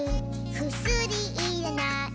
「くすりいらない」